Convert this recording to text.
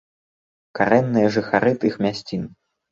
Карэнныя жыхары тых мясцін.